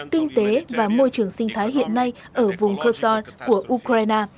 kinh tế và môi trường sinh thái hiện nay ở vùng keso của ukraine